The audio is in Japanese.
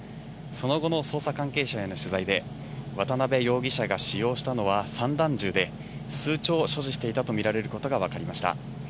その後の捜査関係者への取材で、渡辺容疑者が使用したのは、散弾銃で、数丁所持していたと見られることが分かりました。